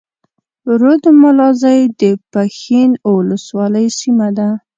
رود ملازۍ د پښين اولسوالۍ سيمه ده.